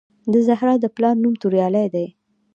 د زهرا د پلار نوم توریالی دی